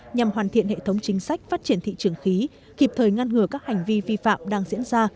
nhằm hoàn thiện hệ thống chính sách phát triển thị trường khí kịp thời ngăn ngừa các hành vi vi phạm đang diễn ra